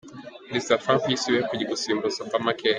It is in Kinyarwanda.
Perezida Trump yisubiyeho ku gusimbuza Obamacare.